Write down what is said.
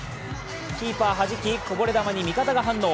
キーパーはじき、こぼれ球に味方が反応。